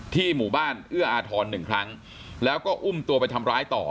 หมู่บ้านเอื้ออาทร๑ครั้งแล้วก็อุ้มตัวไปทำร้ายต่อ